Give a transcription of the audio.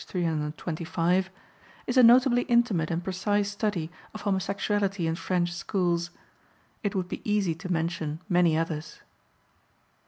325) is a notably intimate and precise study of homosexuality in French schools. It would be easy to mention many others.